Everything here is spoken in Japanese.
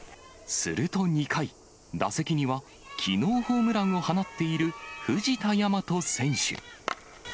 すると２回、打席には、きのうホームランを放っている藤田倭選手。